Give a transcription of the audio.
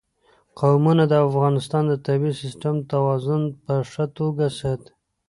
قومونه د افغانستان د طبعي سیسټم توازن په ښه توګه ساتي.